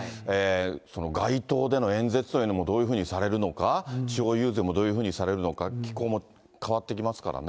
その街頭での演説というのも、どういうふうにされるのか、地方遊説もどういうふうにされるのか、気候も変わってきますからね。